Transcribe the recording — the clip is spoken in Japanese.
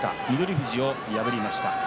富士を破りました。